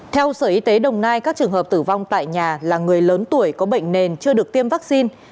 theo sở y tế đồng nai các trường hợp tử vong tại nhà là người lớn tuổi có bệnh nền chưa được tiêm vaccine